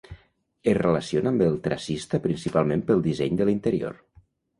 Es relaciona amb el tracista principalment pel disseny de l'interior.